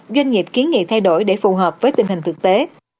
doanh nghiệp kiến nghị thay đổi để phù hợp với tình hình thực tế